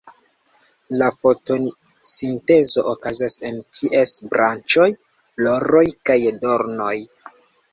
La fotosintezo okazas en ties branĉoj, floroj kaj dornoj.